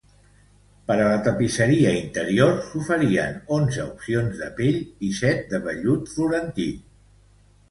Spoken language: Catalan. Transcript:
Per a la tapisseria interior s'oferien onze opcions de pell i set de vellut florentí.